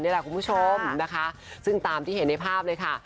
นี่แหละคุณผู้ชมนะคะซึ่งตามที่เห็นในภาพเลยค่ะ